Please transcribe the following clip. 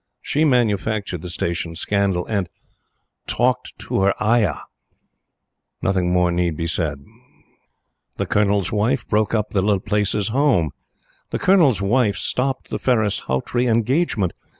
She manufactured the Station scandal, and TALKED TO HER AYAH! Nothing more need be said. The Colonel's Wife broke up the Laplace's home. The Colonel's Wife stopped the Ferris Haughtrey engagement.